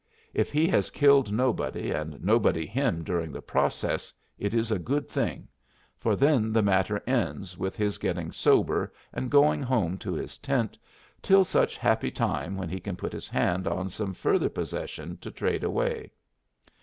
If he has killed nobody and nobody him during the process, it is a good thing, for then the matter ends with his getting sober and going home to his tent till such happy time when he can put his hand on some further possession to trade away.